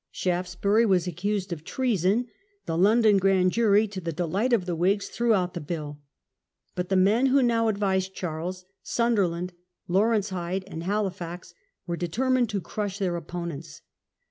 Shaftesbury was accused ^^^' of treason. The London grand jury, to the delight of the Whigs, threw out the bill. But the men who now advised Charles — Sunderland, Lawrence Hyde, and Halifax — ^were determined to crush their opponents.